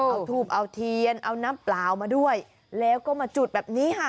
เอาทูบเอาเทียนเอาน้ำเปล่ามาด้วยแล้วก็มาจุดแบบนี้ค่ะ